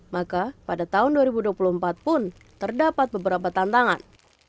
maka pada tahun dua ribu dua puluh empat pun terdapat beberapa tantangan